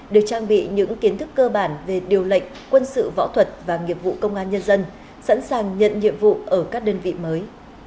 được trang bị những kiến thức cơ bản về điều lệnh quân sự võ thuật và nghiệp vụ công an nhân dân sẵn sàng nhận nhiệm vụ ở các đơn vị mới